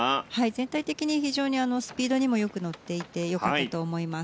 全体的に非常にスピードにもよく乗っていてよかったと思います。